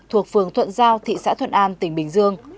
thuộc phường thuận giao thị xã thuận an tỉnh bình dương